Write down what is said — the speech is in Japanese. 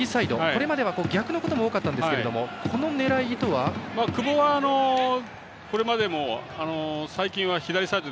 これまでは逆のことも多かったんですがこの狙いとは？久保はこれまでも最近は左サイド